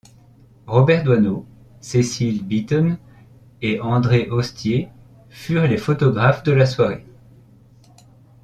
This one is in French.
Robert Doisneau, Cecil Beaton et André Ostier furent les photographes de la soirée.